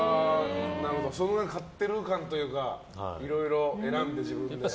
それが買ってる感というかいろいろ、自分で選んで。